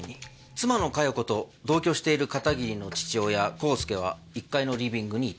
妻の佳代子と同居している片桐の父親浩介は１階のリビングにいた。